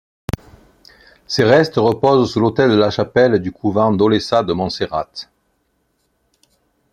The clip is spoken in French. Ses restes reposent sous l'autel de la chapelle du couvent d'Olesa de Montserrat.